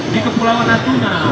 di ke pulau katuna